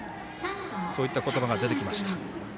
そういった言葉が出てきました。